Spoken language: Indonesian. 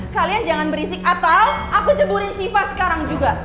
kalian jangan berisik atau aku ceburin syifa sekarang juga